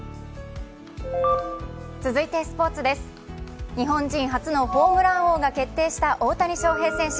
続いてスポーツです、日本人初のホームラン王が決定した大谷翔平選手。